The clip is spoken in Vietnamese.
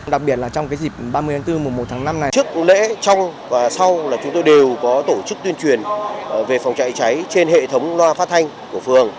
đặc biệt là trong dịp ba mươi tháng bốn mùa một tháng năm này trước lễ trong và sau là chúng tôi đều có tổ chức tuyên truyền về phòng cháy cháy trên hệ thống loa phát thanh của phường